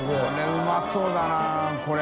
海うまそうだなこれ。